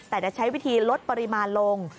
แต่จะใช้วิธีลดปริมาณลง